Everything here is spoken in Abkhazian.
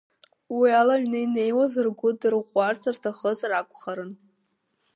Уиала иҩны инеиуаз ргәы дырӷәӷәарц рҭахызар акәхарын.